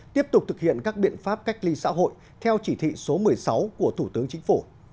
tiếp tục thực hiện các biện pháp cách ly xã hội theo chỉ thị số một mươi sáu của thủ tướng chính phủ